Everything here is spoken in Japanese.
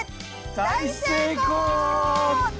大成功！